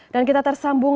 dan kita tersambung